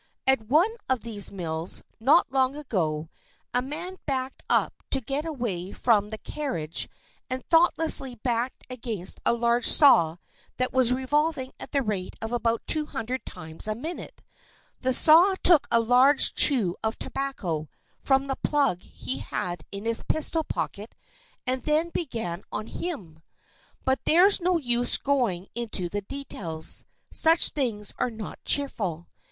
At one of these mills not long ago, a man backed up to get away from the carriage and thoughtlessly backed against a large saw that was revolving at the rate of about 200 times a minute. The saw took a large chew of tobacco from the plug he had in his pistol pocket and then began on him. But there's no use going into the details. Such things are not cheerful.